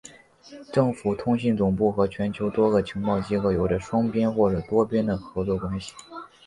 政府通信总部和全球多个情报机构有着双边或是多边的合作关系。